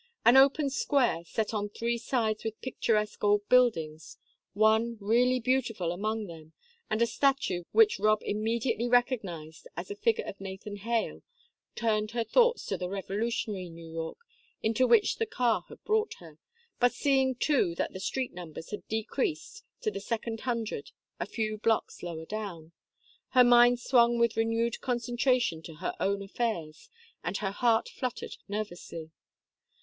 An open square, set on three sides with picturesque old buildings one really beautiful among them and a statue which Rob immediately recognized as a figure of Nathan Hale, turned her thoughts to the revolutionary New York into which the car had brought her, but seeing, too, that the street numbers had decreased to the second hundred a few blocks lower down, her mind swung with renewed concentration to her own affairs, and her heart fluttered nervously.